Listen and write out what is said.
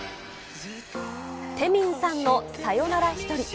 テミンさんのさよならひとり。